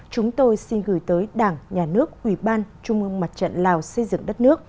chúng tôi xin gửi tới đảng nhà nước ủy ban trung ương mặt trận lào xây dựng đất nước